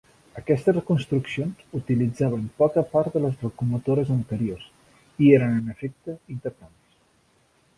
Aquestes reconstruccions utilitzaven poca part de les locomotores anteriors i eren en efecte intercanvis.